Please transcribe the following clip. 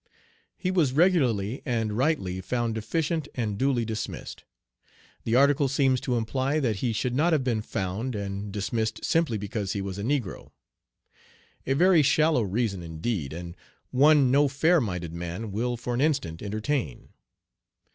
He was regularly and rightly found deficient and duly dismissed. The article seems to imply that he should not have been "found" and dismissed simply because he was a negro. A very shallow reason indeed, and one "no fair minded man" will for an instant entertain.